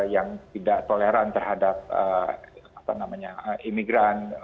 yang tidak toleran terhadap imigran